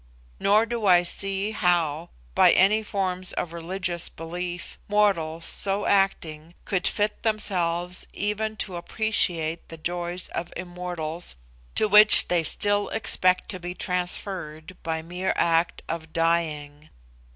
Nor do I see how, by any forms of religious belief, mortals, so acting, could fit themselves even to appreciate the joys of immortals to which they still expect to be transferred by the mere act of dying.